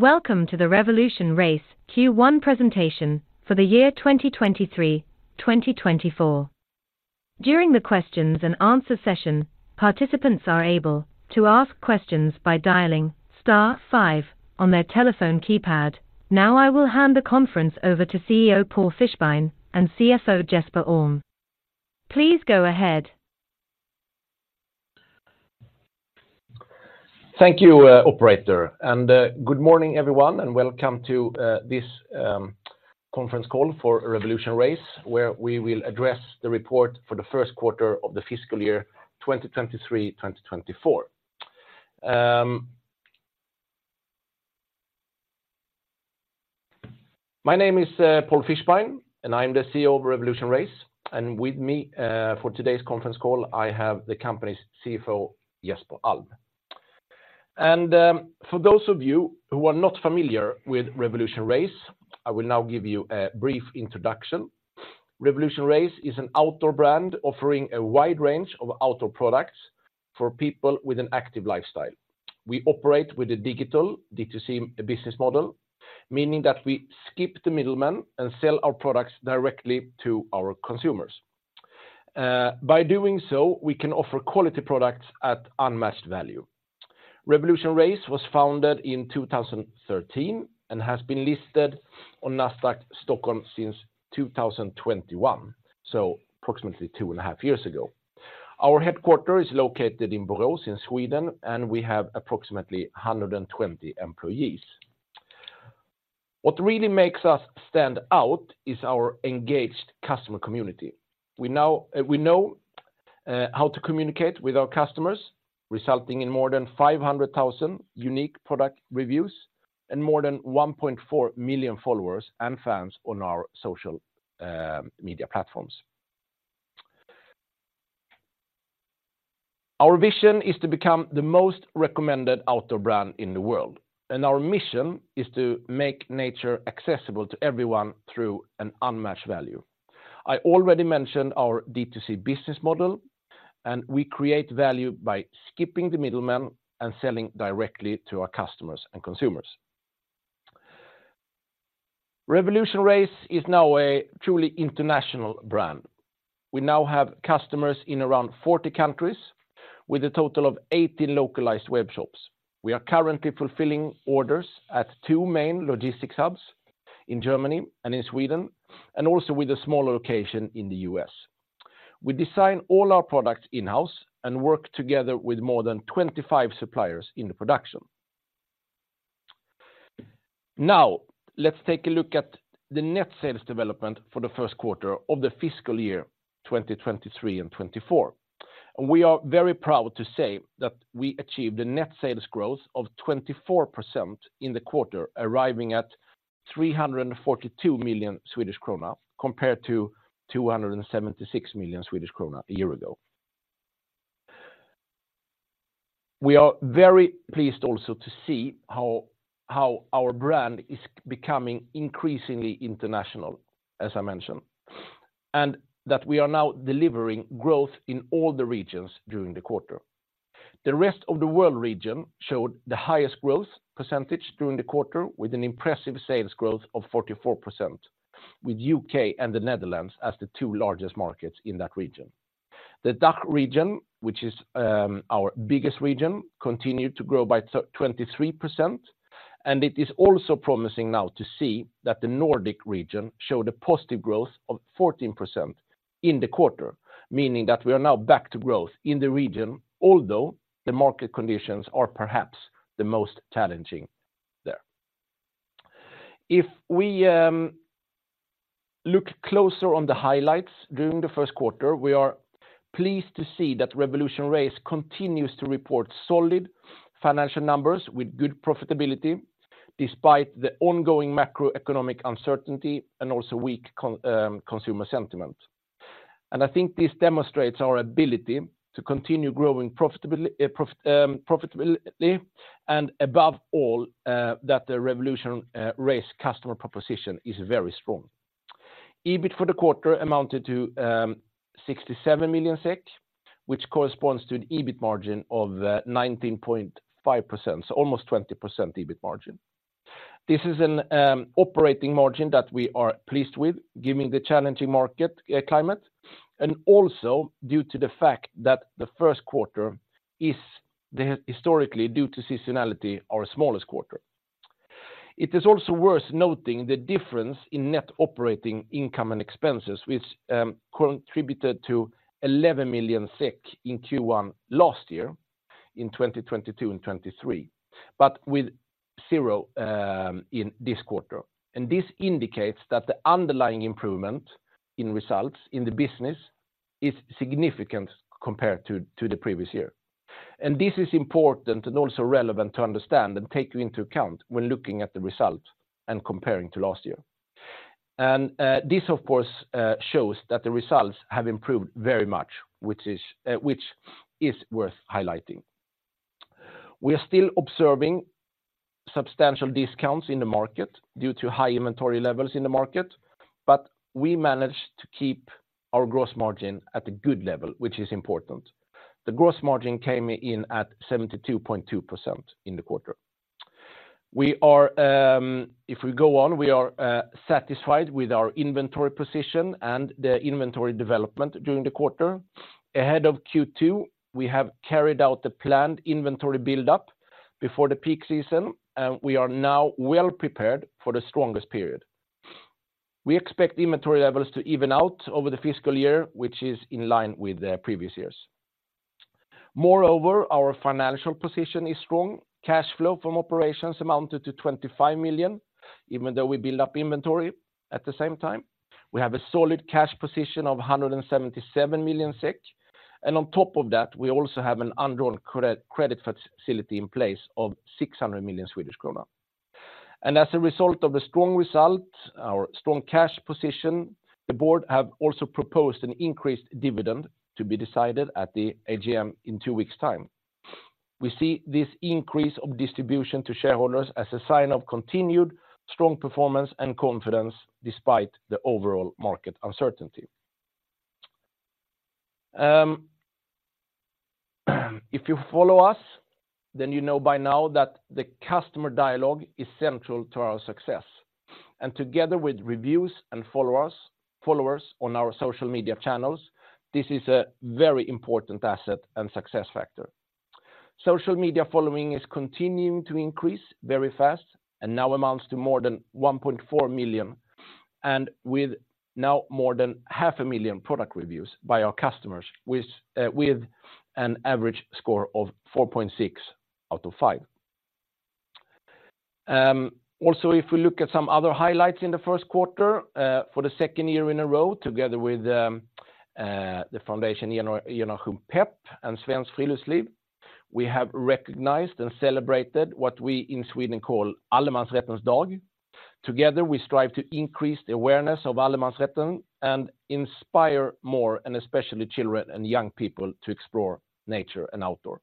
Welcome to the RevolutionRace Q1 presentation for the year 2023/2024. During the questions and answer session, participants are able to ask questions by dialing star five on their telephone keypad. Now, I will hand the conference over to CEO Paul Fischbein and CFO Jesper Alm. Please go ahead. Thank you, operator, and good morning, everyone, and welcome to this conference call for RevolutionRace, where we will address the report for the Q1 of the fiscal year 2023/2024. My name is Paul Fischbein, and I'm the CEO of RevolutionRace, and with me for today's conference call, I have the company's CFO, Jesper Alm. For those of you who are not familiar with RevolutionRace, I will now give you a brief introduction. RevolutionRace is an outdoor brand offering a wide range of outdoor products for people with an active lifestyle. We operate with a digital D2C business model, meaning that we skip the middleman and sell our products directly to our consumers. By doing so, we can offer quality products at unmatched value. RevolutionRace was founded in 2013 and has been listed on Nasdaq Stockholm since 2021, so approximately two and a half years ago. Our headquarters is located in Borås in Sweden, and we have approximately 120 employees. What really makes us stand out is our engaged customer community. We know, we know, how to communicate with our customers, resulting in more than 500,000 unique product reviews and more than 1.4 million followers and fans on our social media platforms. Our vision is to become the most recommended outdoor brand in the world, and our mission is to make nature accessible to everyone through an unmatched value. I already mentioned our D2C business model, and we create value by skipping the middleman and selling directly to our customers and consumers. RevolutionRace is now a truly international brand. We now have customers in around 40 countries with a total of 80 localized web shops. We are currently fulfilling orders at two main logistics hubs in Germany and in Sweden, and also with a smaller location in the U.S. We design all our products in-house and work together with more than 25 suppliers in the production. Now, let's take a look at the net sales development for the Q1 of the fiscal year, 2023 and 2024. We are very proud to say that we achieved a net sales growth of 24% in the quarter, arriving at 342 million Swedish krona, compared to 276 million Swedish krona a year ago. We are very pleased also to see how our brand is becoming increasingly international, as I mentioned, and that we are now delivering growth in all the regions during the quarter. The rest of the world region showed the highest growth percentage during the quarter, with an impressive sales growth of 44%, with U.K. and the Netherlands as the two largest markets in that region. The DACH region, which is our biggest region, continued to grow by 23%, and it is also promising now to see that the Nordic region showed a positive growth of 14% in the quarter, meaning that we are now back to growth in the region, although the market conditions are perhaps the most challenging there. If we look closer on the highlights during the Q1, we are pleased to see that RevolutionRace continues to report solid financial numbers with good profitability, despite the ongoing macroeconomic uncertainty and also weak consumer sentiment. And I think this demonstrates our ability to continue growing profitability, profitably, and above all, that the RevolutionRace customer proposition is very strong. EBIT for the quarter amounted to 67 million SEK, which corresponds to an EBIT margin of 19.5%, so almost 20% EBIT margin. This is an operating margin that we are pleased with, given the challenging market climate, and also due to the fact that the Q1 is the historically, due to seasonality, our smallest quarter. It is also worth noting the difference in net operating income and expenses, which contributed to 11 million in Q1 last year in 2022 and 2023, but with zero in this quarter. This indicates that the underlying improvement in results in the business is significant compared to the previous year. This is important and also relevant to understand and take into account when looking at the results and comparing to last year. This, of course, shows that the results have improved very much, which is worth highlighting. We are still observing substantial discounts in the market due to high inventory levels in the market, but we managed to keep our gross margin at a good level, which is important. The gross margin came in at 72.2% in the quarter. We are satisfied with our inventory position and the inventory development during the quarter. Ahead of Q2, we have carried out the planned inventory buildup before the peak season, and we are now well-prepared for the strongest period. We expect inventory levels to even out over the fiscal year, which is in line with the previous years. Moreover, our financial position is strong. Cash flow from operations amounted to 25 million, even though we build up inventory at the same time. We have a solid cash position of 177 million SEK, and on top of that, we also have an undrawn credit facility in place of 600 million Swedish kronor. As a result of the strong result, our strong cash position, the board have also proposed an increased dividend to be decided at the AGM in two weeks time. We see this increase of distribution to shareholders as a sign of continued strong performance and confidence despite the overall market uncertainty. If you follow us, then you know by now that the customer dialogue is central to our success, and together with reviews and followers, followers on our social media channels, this is a very important asset and success factor. Social media following is continuing to increase very fast and now amounts to more than 1.4 million, and with now more than 500,000 product reviews by our customers, with, with an average score of 4.6 out of five. Also, if we look at some other highlights in the Q1, for the second year in a row, together with the foundation, Generation Pep and Svenskt Friluftsliv, we have recognized and celebrated what we in Sweden call Allemansrättens Dag. Together, we strive to increase the awareness of allemansrätten and inspire more, and especially children and young people, to explore nature and outdoor.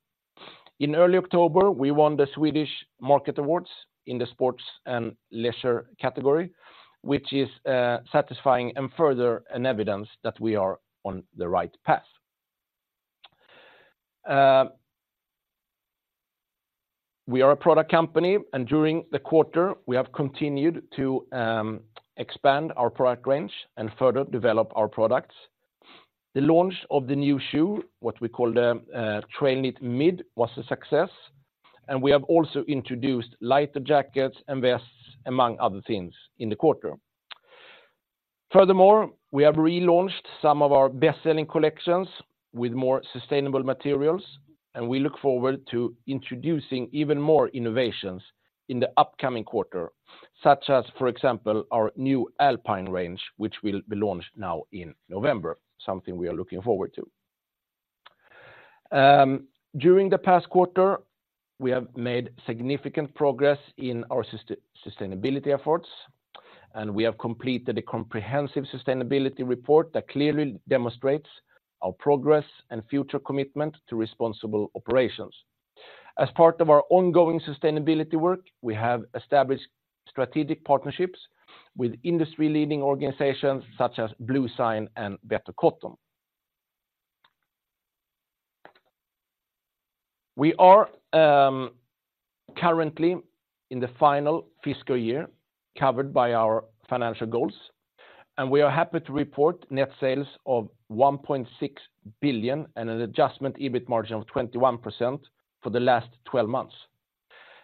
In early October, we won the Swedish Market Awards in the sports and leisure category, which is satisfying and further an evidence that we are on the right path. We are a product company, and during the quarter, we have continued to expand our product range and further develop our products. The launch of the new shoe, what we call the Trailknit Mid, was a success, and we have also introduced lighter jackets and vests, among other things in the quarter. Furthermore, we have relaunched some of our best-selling collections with more sustainable materials, and we look forward to introducing even more innovations in the upcoming quarter, such as, for example, our new Alpine range, which will be launched now in November, something we are looking forward to. During the past quarter, we have made significant progress in our sustainability efforts, and we have completed a comprehensive sustainability report that clearly demonstrates our progress and future commitment to responsible operations. As part of our ongoing sustainability work, we have established strategic partnerships with industry-leading organizations such as bluesign and Better Cotton. We are currently in the final fiscal year, covered by our financial goals, and we are happy to report net sales of 1.6 billion and an adjusted EBIT margin of 21% for the last twelve months.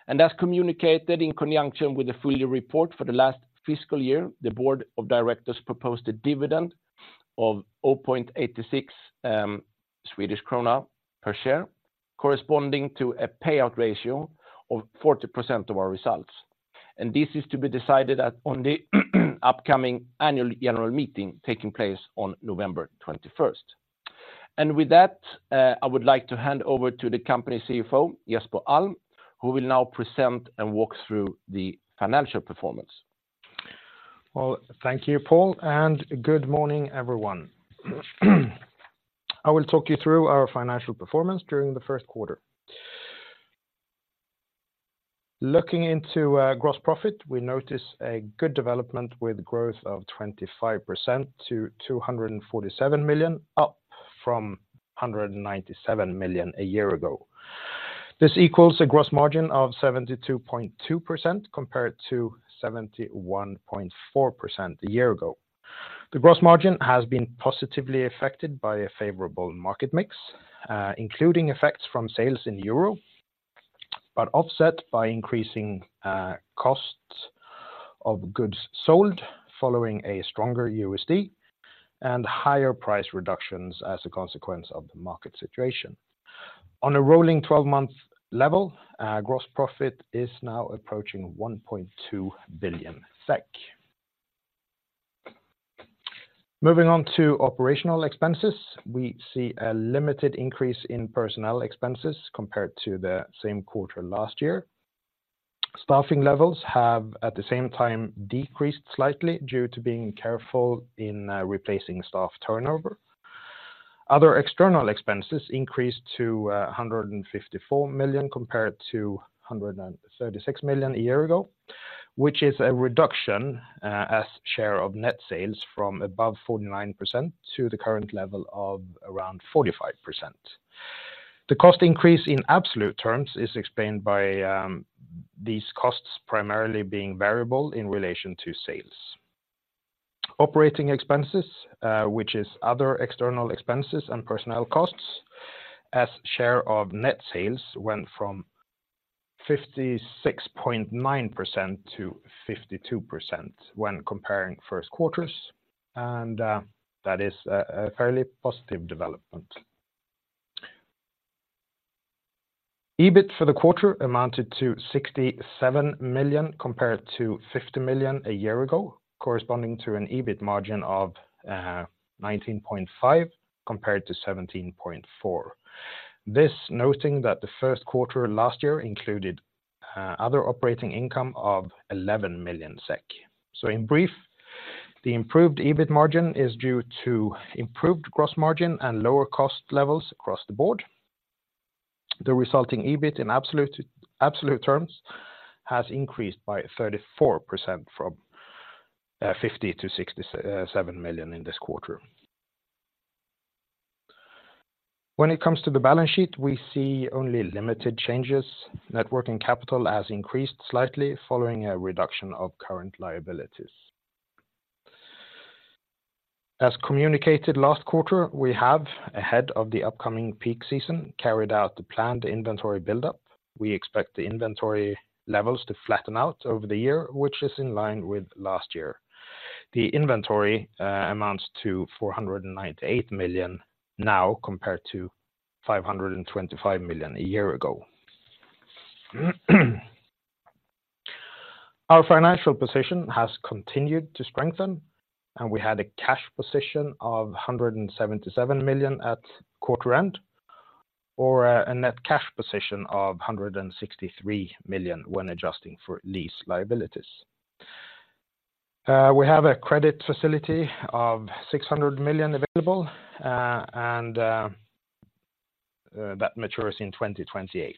As communicated in conjunction with the full year report for the last fiscal year, the board of directors proposed a dividend of 0.86 Swedish krona per share, corresponding to a payout ratio of 40% of our results. This is to be decided at the upcoming annual general meeting taking place on November twenty-first. With that, I would like to hand over to the company CFO, Jesper Alm, who will now present and walk through the financial performance. Well, thank you, Paul, and good morning, everyone. I will talk you through our financial performance during the Q1. Looking into gross profit, we notice a good development with growth of 25% to 247 million, up from 197 million a year ago. This equals a gross margin of 72.2%, compared to 71.4% a year ago. The gross margin has been positively affected by a favorable market mix, including effects from sales in Europe, but offset by increasing costs of goods sold, following a stronger USD and higher price reductions as a consequence of the market situation. On a rolling twelve-month level, gross profit is now approaching 1.2 billion SEK. Moving on to operational expenses, we see a limited increase in personnel expenses compared to the same quarter last year. Staffing levels have, at the same time, decreased slightly due to being careful in replacing staff turnover. Other external expenses increased to 154 million, compared to 136 million a year ago, which is a reduction as share of net sales from above 49% to the current level of around 45%. The cost increase in absolute terms is explained by these costs primarily being variable in relation to sales. Operating expenses, which is other external expenses and personnel costs, as share of net sales went from 56.9% to 52% when comparing first quarters, and that is a fairly positive development. EBIT for the quarter amounted to 67 million, compared to 50 million a year ago, corresponding to an EBIT margin of 19.5%, compared to 17.4%. This noting that the Q1 last year included other operating income of 11 million SEK. So in brief, the improved EBIT margin is due to improved gross margin and lower cost levels across the board. The resulting EBIT in absolute, absolute terms has increased by 34% from 50 million-67 million in this quarter. When it comes to the balance sheet, we see only limited changes. Net working capital has increased slightly following a reduction of current liabilities. As communicated last quarter, we have, ahead of the upcoming peak season, carried out the planned inventory buildup. We expect the inventory levels to flatten out over the year, which is in line with last year. The inventory amounts to 498 million now, compared to 525 million a year ago. Our financial position has continued to strengthen, and we had a cash position of 177 million at quarter end, or a net cash position of 163 million when adjusting for lease liabilities. We have a credit facility of 600 million available, and that matures in 2028.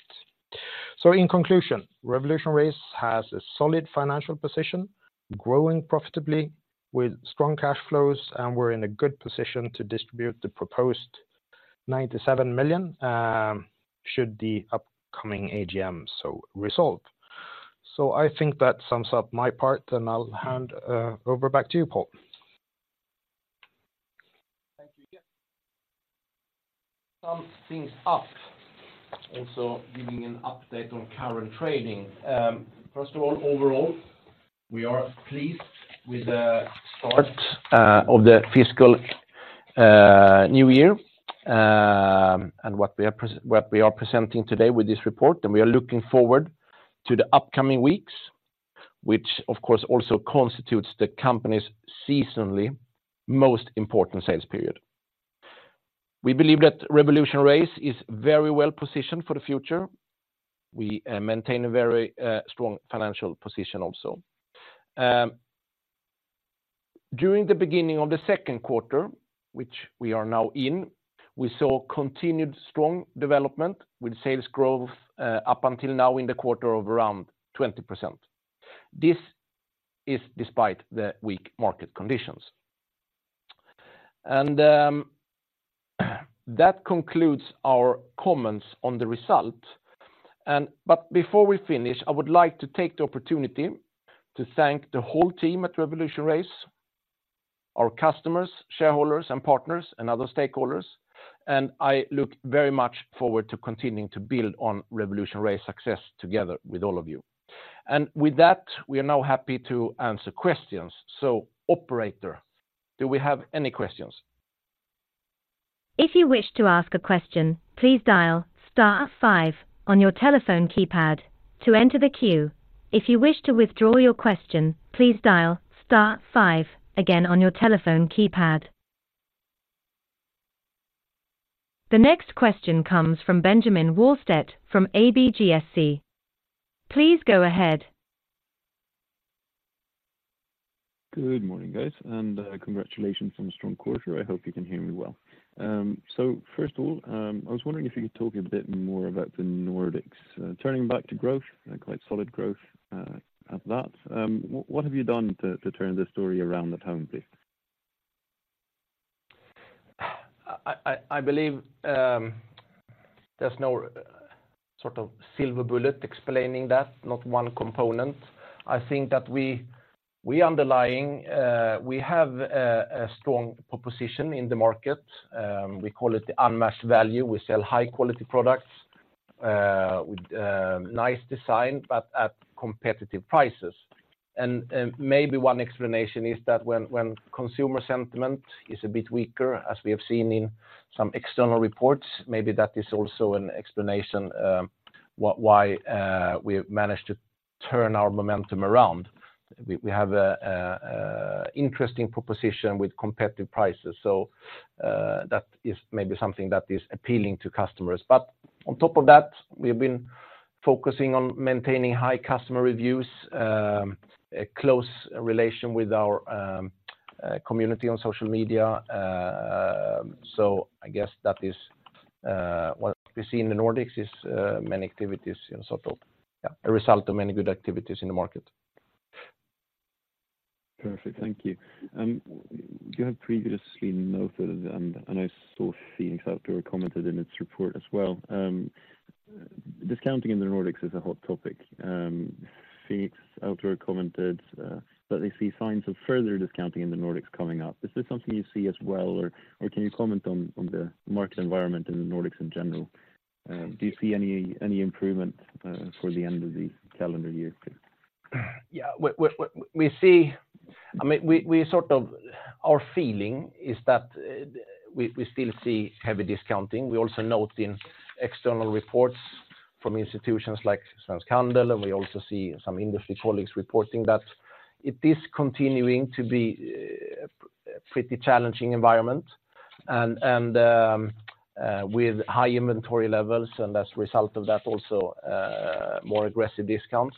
So in conclusion, RevolutionRace has a solid financial position, growing profitably with strong cash flows, and we're in a good position to distribute the proposed 97 million, should the upcoming AGM so resolve. So I think that sums up my part, and I'll hand over back to you, Paul. Thank you. Yeah. Summing things up, also giving an update on current trading. First of all, overall, we are pleased with the start of the fiscal new year, and what we are presenting today with this report, and we are looking forward to the upcoming weeks, which of course also constitutes the company's seasonally most important sales period. We believe that RevolutionRace is very well positioned for the future. We maintain a very strong financial position also. During the beginning of the Q2, which we are now in, we saw continued strong development, with sales growth up until now in the quarter of around 20%. This is despite the weak market conditions. That concludes our comments on the result, and but before we finish, I would like to take the opportunity to thank the whole team at RevolutionRace, our customers, shareholders, and partners, and other stakeholders, and I look very much forward to continuing to build on RevolutionRace success together with all of you. With that, we are now happy to answer questions. Operator, do we have any questions? If you wish to ask a question, please dial star five on your telephone keypad to enter the queue. If you wish to withdraw your question, please dial star five again on your telephone keypad. The next question comes from Benjamin Wahlstedt from ABGSC. Please go ahead. Good morning, guys, and congratulations on a strong quarter. I hope you can hear me well. So first of all, I was wondering if you could talk a bit more about the Nordics. Turning back to growth, a quite solid growth, at that. What have you done to turn this story around at home, please? I believe there's no sort of silver bullet explaining that, not one component. I think that underlying we have a strong proposition in the market. We call it the unmatched value. We sell high quality products with nice design, but at competitive prices. And maybe one explanation is that when consumer sentiment is a bit weaker, as we have seen in some external reports, maybe that is also an explanation why we've managed to turn our momentum around. We have an interesting proposition with competitive prices. So that is maybe something that is appealing to customers. But on top of that, we've been focusing on maintaining high customer reviews, a close relation with our community on social media. So I guess that is-... What we see in the Nordics is many activities in total. Yeah, a result of many good activities in the market. Perfect. Thank you. You have previously noted, and I saw Fenix Outdoor commented in its report as well, discounting in the Nordics is a hot topic. Fenix Outdoor commented that they see signs of further discounting in the Nordics coming up. Is this something you see as well, or can you comment on the market environment in the Nordics in general? Do you see any improvement for the end of the calendar year, please? Yeah. What we see, I mean, we sort of our feeling is that we still see heavy discounting. We also note in external reports from institutions like Svensk Handel, and we also see some industry colleagues reporting that it is continuing to be a pretty challenging environment. And with high inventory levels, and as a result of that, also more aggressive discounts.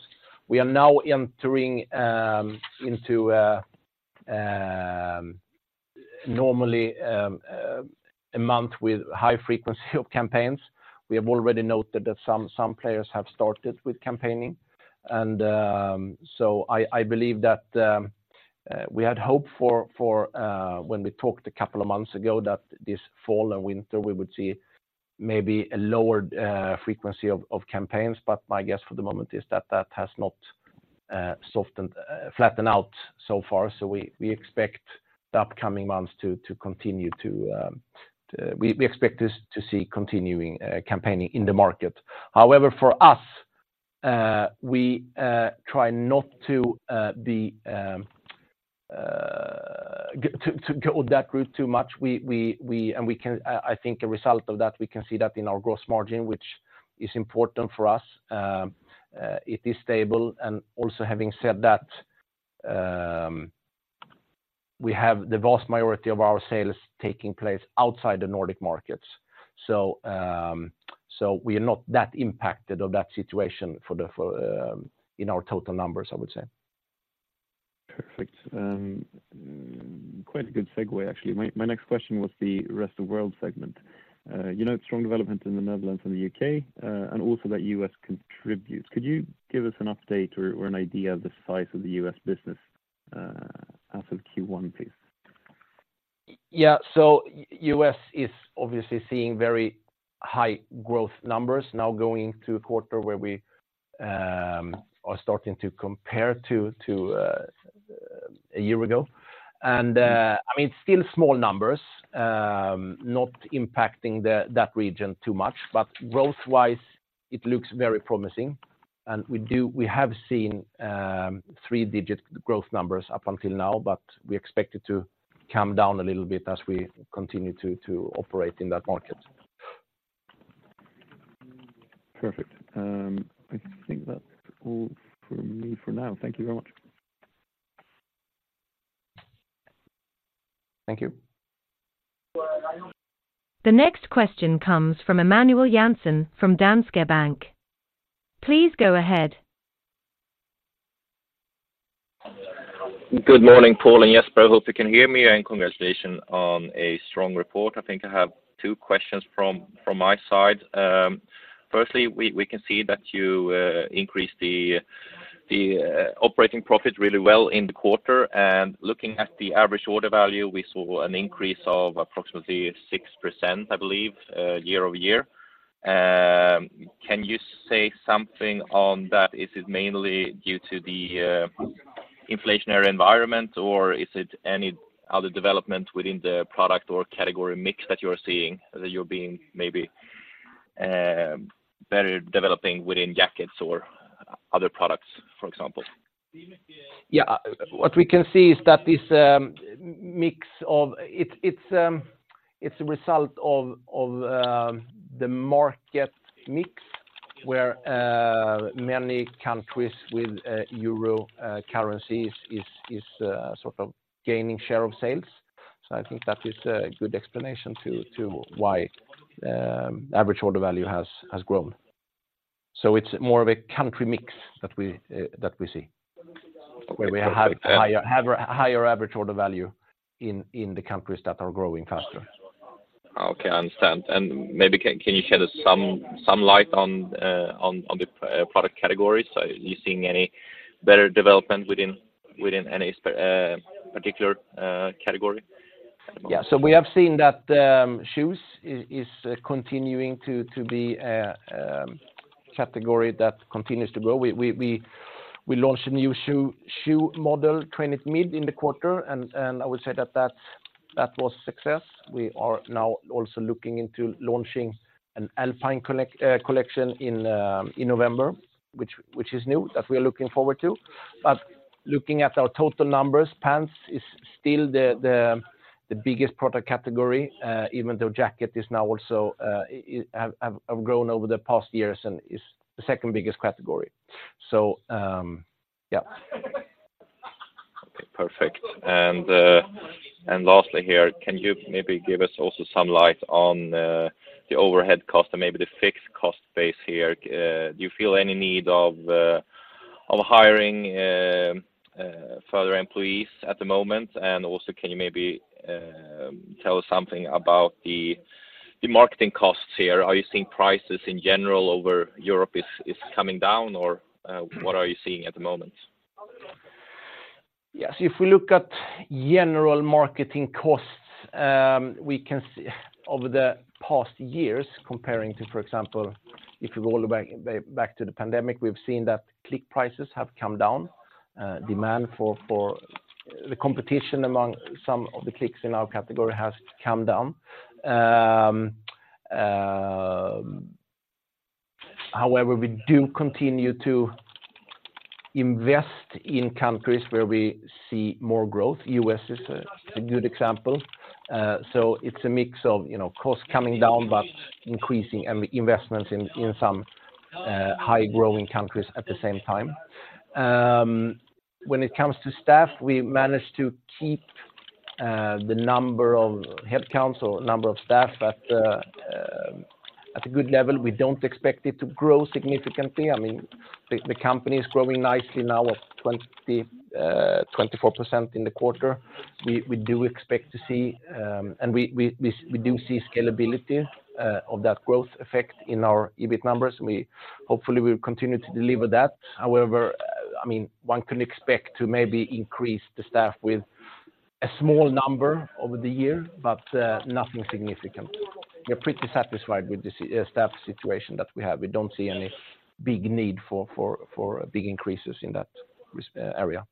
We are now entering into normally a month with high frequency of campaigns. We have already noted that some players have started with campaigning. So I believe that we had hoped for, when we talked a couple of months ago, that this fall and winter, we would see maybe a lower frequency of campaigns, but my guess for the moment is that that has not softened, flattened out so far. So we expect the upcoming months to continue to, we expect this to see continuing campaigning in the market. However, for us, we try not to go that route too much. We, and we can, I think a result of that, we can see that in our gross margin, which is important for us. It is stable, and also having said that, we have the vast majority of our sales taking place outside the Nordic markets. So, we are not that impacted of that situation for the, for, in our total numbers, I would say. Perfect. Quite a good segue, actually. My, my next question was the rest of world segment. You know, strong development in the Netherlands and the U.K., and also that U.S. contributes. Could you give us an update or, or an idea of the size of the U.S. business, as of Q1, please? Yeah. So U.S. is obviously seeing very high growth numbers now going to a quarter where we are starting to compare to a year ago. And I mean, still small numbers, not impacting that region too much, but growth-wise, it looks very promising. And we have seen three-digit growth numbers up until now, but we expect it to calm down a little bit as we continue to operate in that market. Perfect. I think that's all from me for now. Thank you very much. Thank you. The next question comes from Emmanuel Janssen, from Danske Bank. Please go ahead. Good morning, Paul and Jesper. I hope you can hear me, and congratulations on a strong report. I think I have two questions from my side. Firstly, we can see that you increased the operating profit really well in the quarter, and looking at the average order value, we saw an increase of approximately 6%, I believe, year-over-year. Can you say something on that? Is it mainly due to the inflationary environment, or is it any other development within the product or category mix that you're seeing, that you're being maybe better developing within jackets or other products, for example? Yeah. What we can see is that this mix of... It's a result of the market mix, where many countries with euro currencies is sort of gaining share of sales. So I think that is a good explanation to why average order value has grown. So it's more of a country mix that we see- Okay. Where we have higher average order value in the countries that are growing faster. Okay, I understand. And maybe can you shed us some light on the product categories? So are you seeing any better development within any particular category? Yeah. So we have seen that, shoes is continuing to be a category that continues to grow. We launched a new shoe model, Trailknit Mid, in the quarter, and I would say that that was a success. We are now also looking into launching an Alpine collection in November, which is new, that we are looking forward to. But looking at our total numbers, pants is still the biggest product category, even though jacket is now also it have grown over the past years and is the second biggest category. So, yeah. Okay, perfect. And, and lastly here, can you maybe give us also some light on, the overhead cost and maybe the fixed cost base here? Do you feel any need of hiring further employees at the moment? And also, can you maybe tell us something about the, the marketing costs here? Are you seeing prices in general over Europe is, is coming down, or, what are you seeing at the moment? Yes, if we look at general marketing costs, we can see over the past years, comparing to, for example, if you go all the way back, back to the pandemic, we've seen that click prices have come down. Demand for the competition among some of the clicks in our category has come down. However, we do continue to invest in countries where we see more growth. U.S. is a good example. So it's a mix of, you know, costs coming down, but increasing and investments in, in some high-growing countries at the same time. When it comes to staff, we managed to keep the number of headcounts or number of staff at a good level. We don't expect it to grow significantly. I mean, the company is growing nicely now of 24% in the quarter. We do expect to see. And we do see scalability of that growth effect in our EBIT numbers. We hopefully will continue to deliver that. However, I mean, one can expect to maybe increase the staff with a small number over the year, but nothing significant. We're pretty satisfied with the staff situation that we have. We don't see any big need for big increases in that area.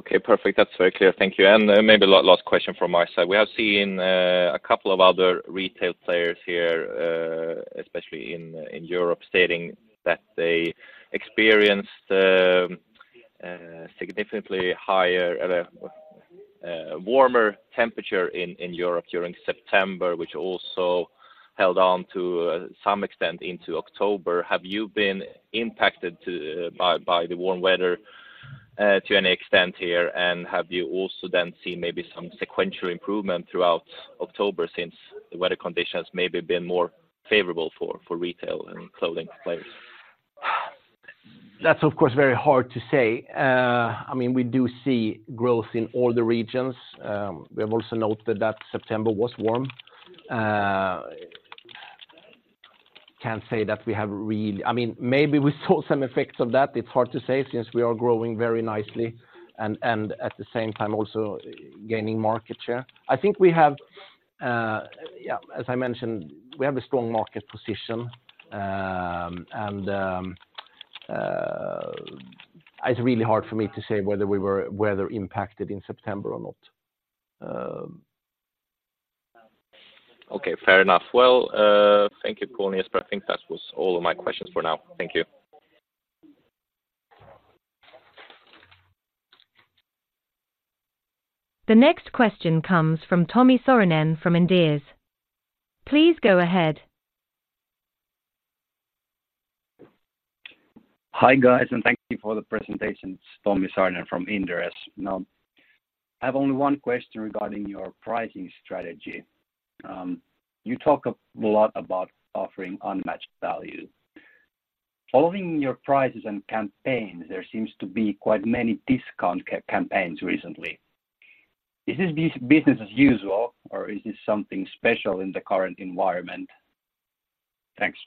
Okay, perfect. That's very clear. Thank you. And, maybe last question from my side. We have seen a couple of other retail players here, especially in Europe, stating that they experienced significantly higher warmer temperature in Europe during September, which also held on to some extent into October. Have you been impacted by the warm weather to any extent here? And have you also then seen maybe some sequential improvement throughout October, since the weather conditions maybe been more favorable for retail and clothing players? That's, of course, very hard to say. I mean, we do see growth in all the regions. We have also noted that September was warm. Can't say that we have really—I mean, maybe we saw some effects of that. It's hard to say, since we are growing very nicely and, and at the same time, also gaining market share. I think we have, yeah, as I mentioned, we have a strong market position, and, it's really hard for me to say whether we were weather impacted in September or not. Okay, fair enough. Well, thank you, Paul, but I think that was all of my questions for now. Thank you. The next question comes from Tomi Saarinen from Inderes. Please go ahead. Hi, guys, and thank you for the presentations. Tommi Saarinen from Inderes. Now, I have only one question regarding your pricing strategy. You talk a lot about offering unmatched value. Following your prices and campaigns, there seems to be quite many discount campaigns recently. Is this business as usual, or is this something special in the current environment? Thanks.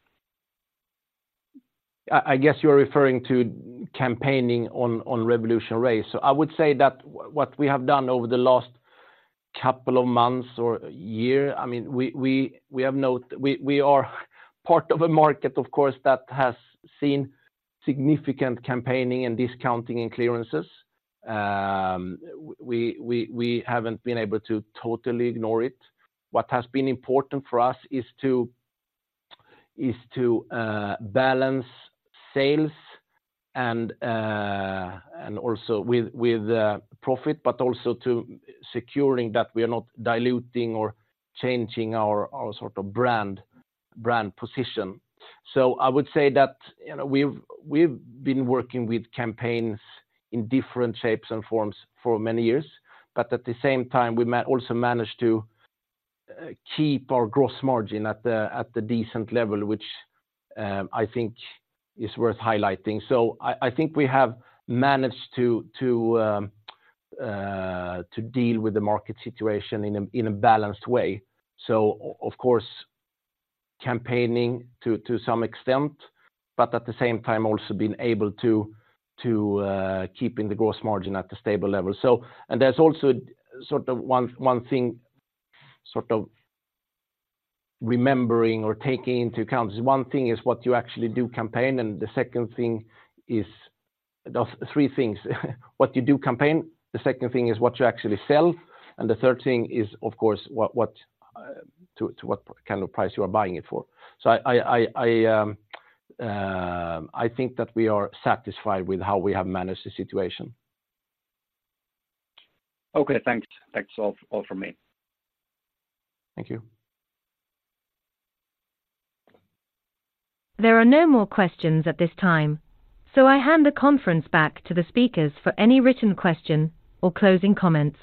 I guess you're referring to campaigning on RevolutionRace. So I would say that what we have done over the last couple of months or year, I mean, we are part of a market, of course, that has seen significant campaigning and discounting and clearances. We haven't been able to totally ignore it. What has been important for us is to balance sales and also with profit, but also to securing that we are not diluting or changing our sort of brand position. So I would say that, you know, we've been working with campaigns in different shapes and forms for many years, but at the same time, we also managed to keep our gross margin at a decent level, which I think is worth highlighting. So I think we have managed to deal with the market situation in a balanced way. So of course, campaigning to some extent, but at the same time, also being able to keep the gross margin at a stable level. So, and there's also sort of one thing, sort of remembering or taking into account, is one thing is what you actually do campaign, and the second thing is. Those three things: what you do campaign, the second thing is what you actually sell, and the third thing is, of course, what to what kind of price you are buying it for. So I think that we are satisfied with how we have managed the situation. Okay, thanks. Thanks all, all for me. Thank you. There are no more questions at this time, so I hand the conference back to the speakers for any written question or closing comments.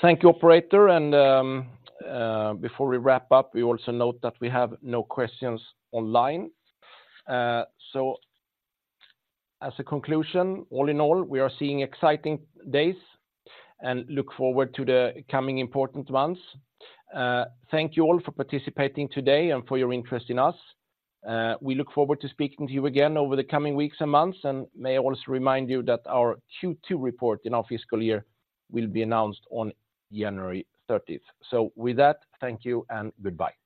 Thank you, operator. Before we wrap up, we also note that we have no questions online. As a conclusion, all in all, we are seeing exciting days and look forward to the coming important months. Thank you all for participating today and for your interest in us. We look forward to speaking to you again over the coming weeks and months, and may I also remind you that our Q2 report in our fiscal year will be announced on January 30th. With that, thank you and goodbye.